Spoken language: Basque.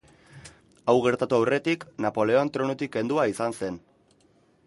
Hau gertatu aurretik, Napoleon tronutik kendua izan zen.